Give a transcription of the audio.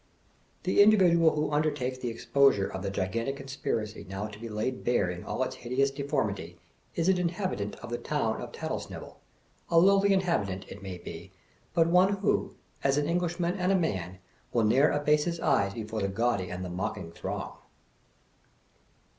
The individual who undertakes the exposure of the gi gantic conspiracy now to be laid bare in all its hideous de formity, is an inhabitant of the town of Tattlesnivel — a lowly inhabitant, it may be, but one who, as an Englishman and a man, will ne'er abase his eye before the gaudy and the mocking throng.